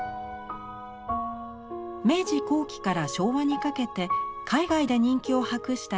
明治後期から昭和にかけて海外で人気を博した絵師小原古。